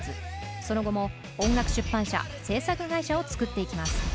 その後も音楽出版社制作会社を作っていきます。